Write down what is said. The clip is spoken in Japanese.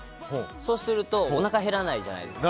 そうするとおなか減らないじゃないですか。